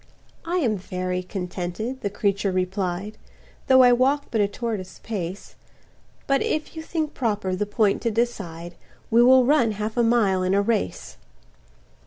"I am very contented," the creature replied, "Though I walk but a tortoise's pace, But if you think proper the point to decide, We will run half a mile in a race."